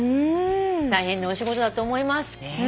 大変なお仕事だと思います。ね。